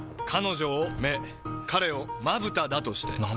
彼女を目彼をまぶただとして。